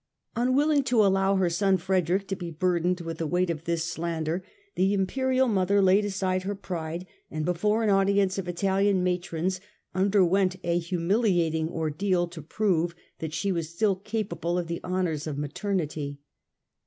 Unwilling to allow her son Frederick to be burdened with the weight of this slander, the Im perial mother laid aside her pride and, before an audience of Italian matrons, underwent a humiliating ordeal to prove that she was still capable of the honours of mater nity.